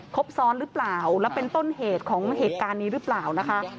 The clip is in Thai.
ครบซ้อนหรือเปล่าแล้วเป็นต้นเหตุของเหตุการณ์นี้หรือเปล่านะคะ